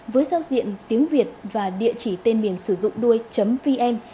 với giao diện tiếng việt và địa chỉ tên miền sử dụng đuôi vn